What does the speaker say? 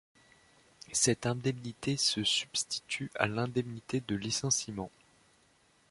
Cette indemnité se substitue à l’indemnité de licenciement.